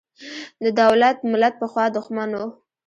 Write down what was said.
د دولت–ملت پخوا دښمن و.